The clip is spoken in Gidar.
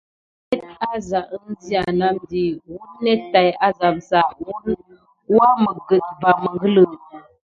Mi net aza əŋzia nam di, wounet tay azam sa waməget va məngələ.